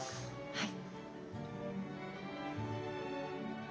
はい。